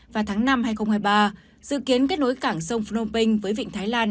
vào tháng năm hai nghìn hai mươi ba dự kiến kết nối cảng sông phnom penh với vịnh thái lan